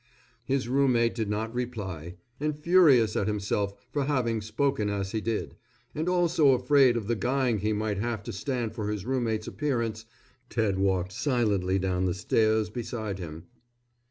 His roommate did not reply, and furious at himself for having spoken as he did, and also afraid of the guying he might have to stand for his roommate's appearance, Ted walked silently down the stairs beside him.